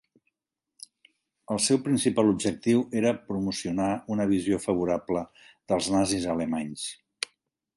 El seu principal objectiu era promocionar una visió favorable dels nazis alemanys.